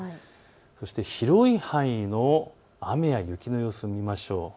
そして広い範囲の雨や雪の様子を見ましょう。